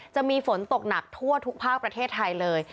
จะมีฝนตกหนักทั่วทุกภาคประเทศไทยเลย